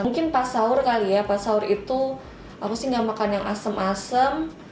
mungkin pas sahur kali ya pas sahur itu aku sih nggak makan yang asem asem